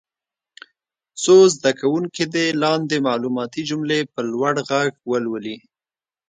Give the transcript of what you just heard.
څو زده کوونکي دې لاندې معلوماتي جملې په لوړ غږ ولولي.